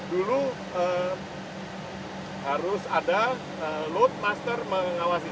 dulu harus ada load master mengawasi